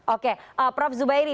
oke prof zubairi